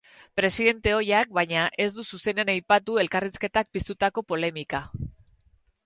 Presidente ohiak, baina, ez du zuzenean aipatu elkarrizketak piztutako polemika.